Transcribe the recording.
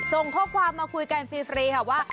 ส่งข้อความมาคุยกันฟรีค่ะว่า